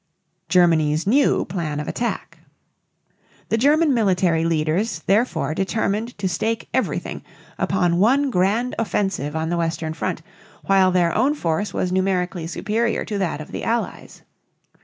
GERMANY'S NEW PLAN OF ATTACK. The German military leaders therefore determined to stake everything upon one grand offensive on the western front while their own force was numerically superior to that of the Allies.